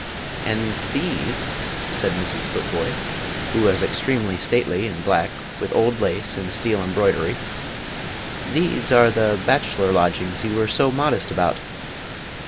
"And these," said Mrs. Futvoye, who was extremely stately in black, with old lace and steel embroidery "these are the bachelor lodgings you were so modest about!